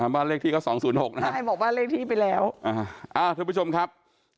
บ้านเลขที่เขา๒๐๖นะครับใช่บอกบ้านเลขที่ไปแล้วท่านผู้ชมครับ